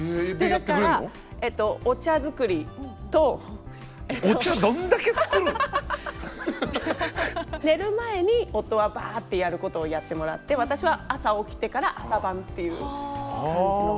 だからえっと寝る前に夫はバッてやることをやってもらって私は朝起きてから朝番っていう感じの。